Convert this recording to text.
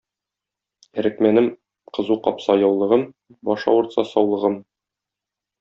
Әрекмәнем: кызу капса - яулыгым, баш авыртса - саулыгым.